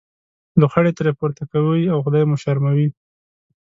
لوخړې ترې پورته کوئ او خدای مو وشرموه.